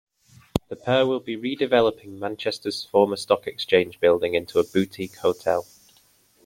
The pair will be redeveloping Manchester's former stock exchange building into a boutique hotel.